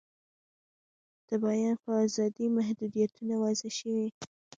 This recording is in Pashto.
د بیان په آزادۍ محدویتونه وضع شوي.